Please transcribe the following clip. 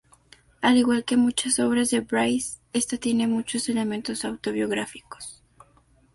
Al igual que muchas obras de Bryce, esta tiene muchos elementos autobiográficos.